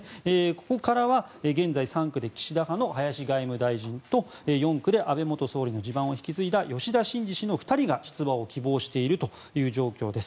ここからは現在、３区で岸田派の林外務大臣と４区で安倍元総理の地盤を引き継いだ吉田真次氏の２人が出馬を希望している状況です。